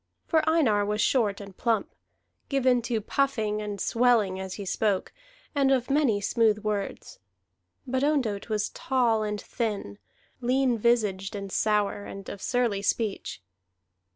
For Einar was short and plump, given to puffing and swelling as he spoke, and of many smooth words; but Ondott was tall and thin, lean visaged and sour, and of surly speech.